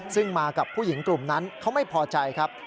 ซึ่งมากับผู้หญิงกลุ่มนั้นเขาไม่พอใจครับ